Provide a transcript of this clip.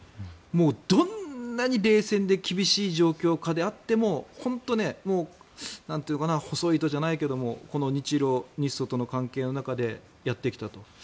もうどんなに冷戦で厳しい状況下であっても本当に細い糸じゃないけれど日ロ、日ソとの関係の中でやってきたと。